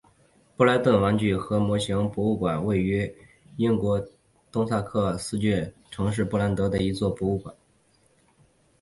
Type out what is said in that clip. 布莱顿玩具和模型博物馆是位于英国东萨塞克斯郡城市布莱顿的一座博物馆。